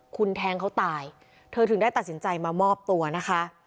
คุณแทงเขาตายเธอถึงได้ตัดสินใจมามอบตัวนะคะ